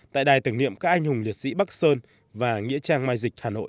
tại đài tưởng niệm các anh hùng liệt sĩ bắc sơn và nghĩa trang mai dịch hà nội